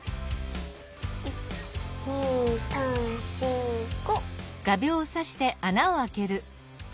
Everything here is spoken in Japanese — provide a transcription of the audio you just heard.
１２３４５。